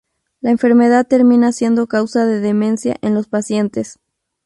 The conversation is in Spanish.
La enfermedad termina siendo causa de demencia en los pacientes.